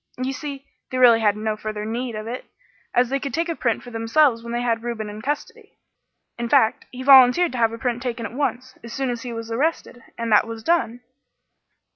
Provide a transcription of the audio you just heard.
You see, they really had no further need of it, as they could take a print for themselves when they had Reuben in custody; in fact, he volunteered to have a print taken at once, as soon as he was arrested, and that was done."